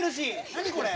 何これ！？